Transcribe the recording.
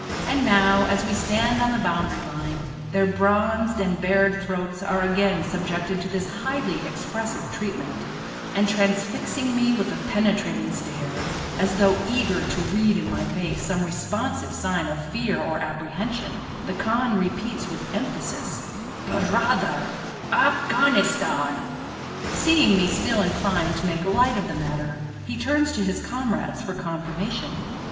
And now, as we stand on the boundary line, their bronzed and bared throats are again subjected to this highly expressive treatment; and transfixing me with a penetrating stare, as though eager to read in my face some responsive sign of fear or apprehension, the khan repeats with emphasis: "Bur raa ther, Afghanistan." Seeing me still inclined to make light of the matter, he turns to his comrades for confirmation.